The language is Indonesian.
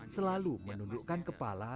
selalu menundukkan kepala